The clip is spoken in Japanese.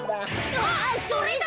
あそれだ！